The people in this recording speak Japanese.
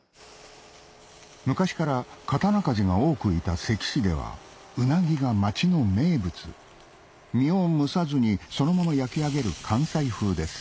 昔から刀鍛冶が多くいた関市ではうなぎが町の名物身を蒸さずにそのまま焼き上げる関西風です